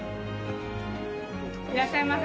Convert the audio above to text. いらっしゃいませ。